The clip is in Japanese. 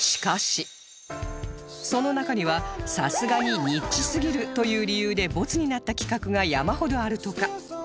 その中にはさすがにニッチすぎるという理由でボツになった企画が山ほどあるとか